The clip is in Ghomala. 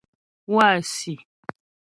Wâsi᷅.